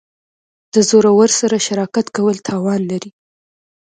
د زورورو سره شراکت کول تاوان لري.